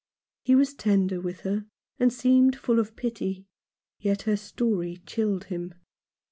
He was tender with her, and seemed full of pity, yet her story chilled him.